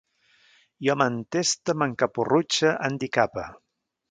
Jo m'enteste, m'encaporrutxe, handicape